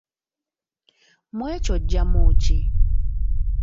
Mu ekyo oggyamu ki?